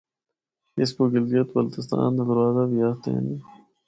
اسکو گلگت بلتستان دا دروازہ بھی آخدے ہن۔